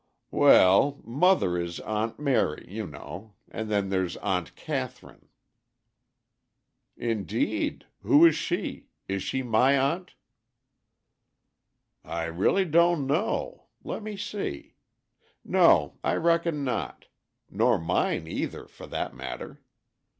"Well, mother is 'Aunt Mary,' you know, and then there's Aunt Catherine." "Indeed! who is she? Is she my aunt?" "I really don't know. Let me see. No, I reckon not; nor mine either, for that matter.